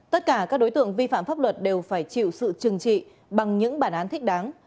tất cả các đối tượng vi phạm pháp luật đều phải chịu sự trừng trị bằng những bản án thích đáng